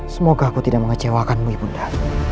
semoga aku tidak mengecewakanmu ibu nda